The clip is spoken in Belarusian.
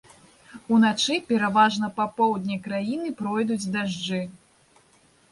Уначы пераважна па поўдні краіны пройдуць дажджы.